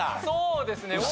そうですね。